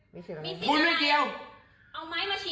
มีสิทธิ์อะไร